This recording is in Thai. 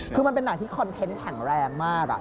คือมันเป็นหนังที่คอนเทนต์แข็งแรงมาก